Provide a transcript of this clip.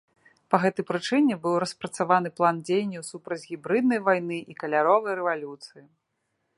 Па гэтай прычыне быў распрацаваны план дзеянняў супраць гібрыднай вайны і каляровай рэвалюцыі.